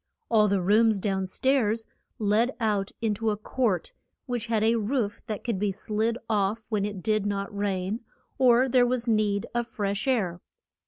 All the rooms down stairs led out in to a court, which had a roof that could be slid off when it did not rain, or there was need of fresh air.